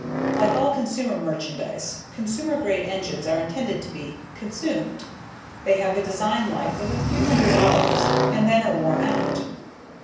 Like all consumer merchandise, consumer grade engines are intended to be consumed. They have a design life of a few hundred hours and then are worn out.